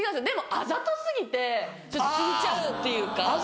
でもあざと過ぎてちょっと引いちゃうっていうか。